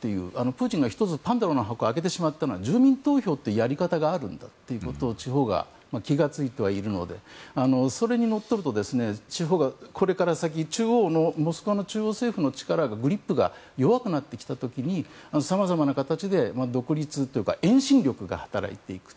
プーチンが１つパンドラの箱を開けてしまったのは住民投票というやり方があるんだということに地方が気が付いてはいるのでそれにのっとると地方がこれから先モスクワの中央政府のグリップが弱くなってきた時にさまざまな形で独立というか遠心力が働いていく。